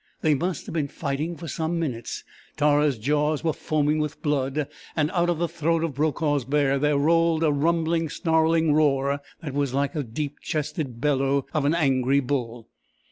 They must have been fighting for some minutes. Tara's jaws were foaming with blood and out of the throat of Brokaw's bear there rolled a rumbling, snarling roar that was like the deep chested bellow of an angry bull.